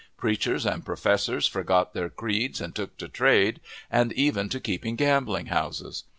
Preachers and professors forgot their creeds and took to trade, and even to keeping gambling houses.